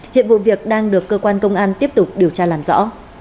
hiện vụ việc đang được cơ quan công an tiếp tục điều tra làm rõ